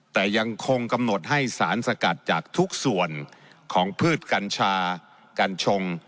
แต่ยังคงกำหนดให้สารสกัดจากทุกส่วนของพืชกัญชากัญชง